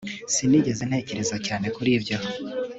sinigeze ntekereza cyane kuri byo